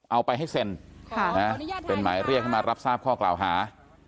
เอาไปให้เซ็นทางมาเรียกมารับทราบข้อเกล่าหา